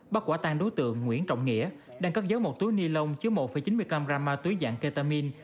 bắt quả tan đối tượng nguyễn trọng nghĩa đang cất giấu một túi ni lông chứa một chín mươi năm gram ma túy dạng ketamine